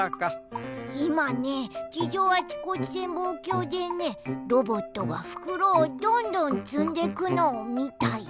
いまね地上あちこち潜望鏡でねロボットがふくろをどんどんつんでくのをみたよ。